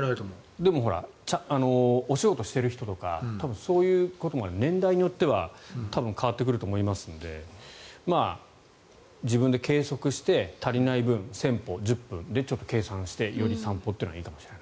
お仕事している人とか多分、そういうことも年代によっては変わってくると思いますので自分で計測して足りない分１０００歩、１０分で計算してより散歩というのはいいかもしれない。